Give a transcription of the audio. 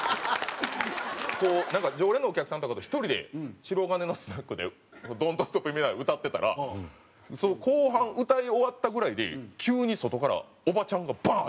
なんか常連のお客さんとかと１人で白金のスナックで『Ｄｏｎ’ｔＳｔｏｐＭｅＮｏｗ』歌ってたら後半歌い終わったぐらいに急に外からおばちゃんがバーン！